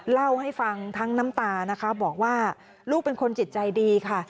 เล่าให้ฟังทั้งน้ำตานะคะบอกว่าลูกเป็นคนจิตใจดีค่ะ